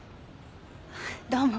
どうも。